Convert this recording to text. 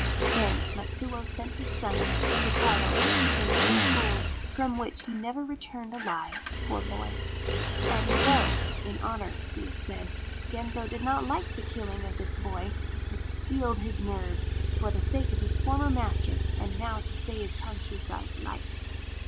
Then Matsuo sent his son Kotaro to Genzo's school, from which he never returned alive, poor boy ; and though (in all honour be it said) Genzo did not like the killing of this boy, he steeled his nerves, for the sake of his former master and to save Kanshusai's life.